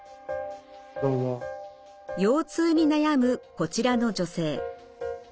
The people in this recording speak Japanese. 腰痛に悩むこちらの女性。